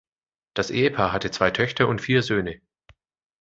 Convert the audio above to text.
Das Ehepaar hatte zwei Töchter und vier Söhne.